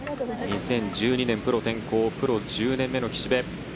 ２０１２年、プロ転向プロ１０年目の岸部。